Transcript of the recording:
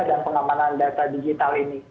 dan pengamanan data digital ini